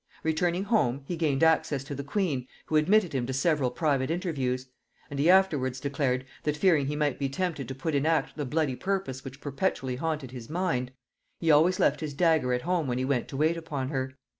Returning home, he gained access to the queen, who admitted him to several private interviews; and he afterwards declared, that fearing he might be tempted to put in act the bloody purpose which perpetually haunted his mind, he always left his dagger at home when he went to wait upon her.